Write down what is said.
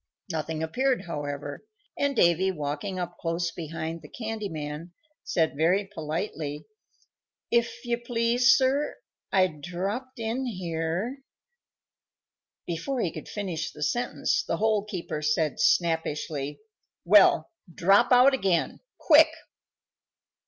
Nothing appeared, however, and Davy, walking up close behind the candy man, said very politely, "If you please, sir, I dropped in here" Before he could finish the sentence the Hole keeper said snappishly, "Well, drop out again quick!"